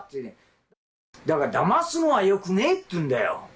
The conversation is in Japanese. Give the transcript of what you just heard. だから、だますのはよくねえっていうんだよ。